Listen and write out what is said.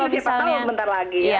mungkin di empat tahun sebentar lagi ya